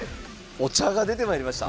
お茶が出てまいりました。